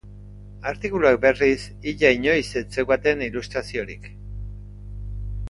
Artikuluek, berriz, ia inoiz ez zeukaten ilustraziorik.